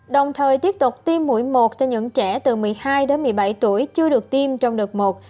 đồng thời tiếp tục tiêm mũi một cho những trẻ từ một mươi hai đến một mươi bảy tuổi chưa được tiêm trong đợt một